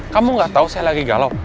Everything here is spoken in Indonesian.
kamu gak tahu saya lagi galau